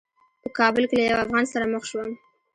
په کابل کې له یوه افغان سره مخ شوم.